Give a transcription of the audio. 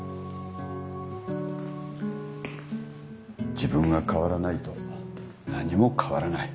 自分が変わらないと何も変わらない。